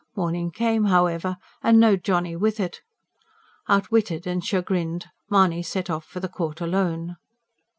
Morning came, however, and no Johnny with it. Outwitted and chagrined, Mahony set off for the court alone.